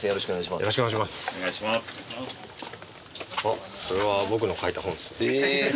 あっそれは僕の描いた本ですえ！